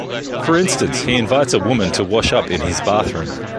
For instance, he invites a woman to wash up in his bathroom.